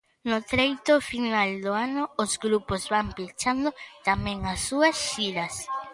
No treito final do ano os grupos van pechando tamén as súa xiras.